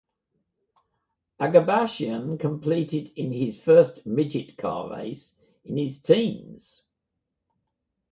Agabashian competed in his first midget car race in his teens.